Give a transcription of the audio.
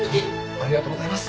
ありがとうございます。